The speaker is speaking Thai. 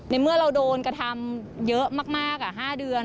เมื่อเราโดนกระทำเยอะมาก๕เดือน